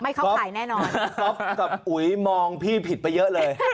ป๊อปกับอุ๋ยมองพี่ผิดไปเยอะเลย